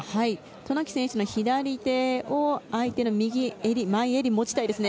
渡名喜選手の左手を相手の右襟、前襟を持ちたいですね。